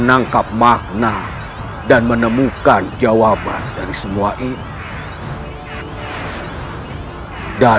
jangan lupa like share dan subscribe ya